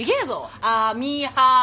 あみはま！